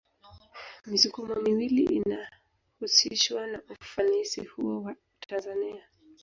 Misukumo miwili inahusishwa na ufanisi huo wa Tanzania